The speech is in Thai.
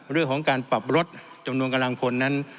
เรื่องของการปรับลดจำนวนกำลังพลนั้น